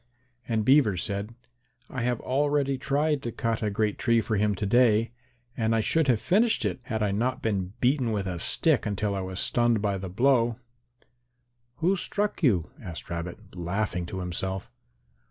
And Beaver said, "I have already tried to cut a great tree for him to day and I should have finished it had I not been beaten with a stick until I was stunned by the blow." "Who struck you?" asked Rabbit, laughing to himself.